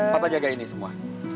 papa jagain nih semua